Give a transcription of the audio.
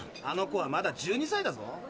あの子はまだ１２歳だぞ。